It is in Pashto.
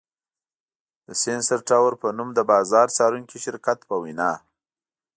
د سېنسر ټاور په نوم د بازار څارونکي شرکت په وینا